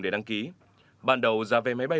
để đăng ký ban đầu giá vé máy bay